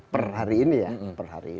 per hari ini ya